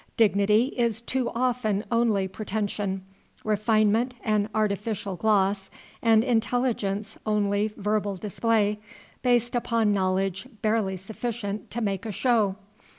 Dignity is too often only pretension, refinement an artificial gloss, and intelligence only verbal display, based upon knowledge barely sufficient to make a show.